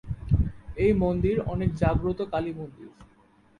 এই মন্দির অনেক জাগ্রত কালী মন্দির।